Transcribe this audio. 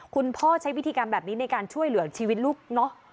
พ่อใช้วิธีกรรมแบบนี้ในการช่วยเหลือชีวิตลูกเนอะ